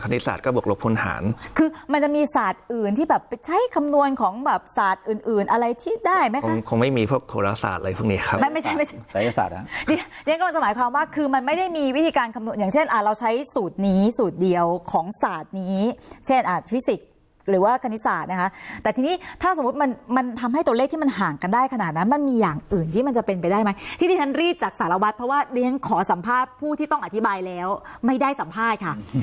นี่ก็มันจะหมายความว่าคือมันไม่ได้มีวิธีการคำนวณอย่างเช่นอ่าเราใช้สูตรนี้สูตรเดียวของศาสตร์นี้เช่นอ่าฟิสิกส์หรือว่าคณิตศาสตร์นะคะแต่ทีนี้ถ้าสมมุติมันมันทำให้ตัวเลขที่มันห่างกันได้ขนาดนั้นมันมีอย่างอื่นที่มันจะเป็นไปได้ไหมที่ที่ฉันรีดจากสารวัตรเพราะว่าเรีย